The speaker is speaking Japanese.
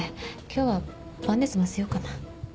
今日はパンで済ませようかな。